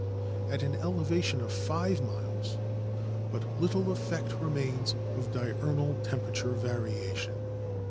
At an elevation of five miles but little effect remains of diurnal tem perature variation.